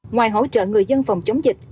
ngoài hỗ trợ người dân phòng chống dịch